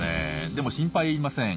でも心配いりません。